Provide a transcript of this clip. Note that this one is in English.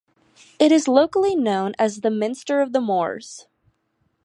It is locally known as the minster of the moors.